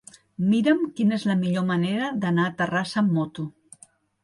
Mira'm quina és la millor manera d'anar a Terrassa amb moto.